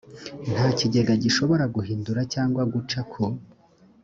nta kigega gishobora guhindura cyangwa guca ku